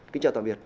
kính chào tạm biệt